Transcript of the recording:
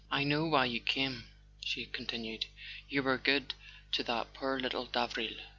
"I know why you came," she continued; "you were good to that poor little Davril."